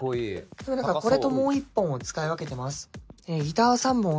これともう１本を使い分けてます。